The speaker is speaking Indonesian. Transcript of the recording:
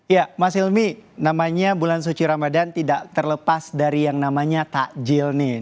ya mas hilmi namanya bulan suci ramadan tidak terlepas dari yang namanya takjil nih